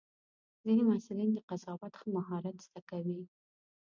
ځینې محصلین د قضاوت ښه مهارت زده کوي.